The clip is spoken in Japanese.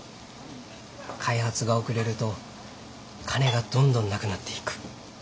開発が遅れると金がどんどんなくなっていく。